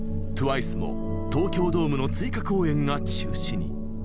ＴＷＩＣＥも東京ドームの追加公演が中止に。